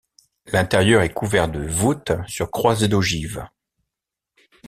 L’intérieur est couvert de voûtes sur croisées d’ogives.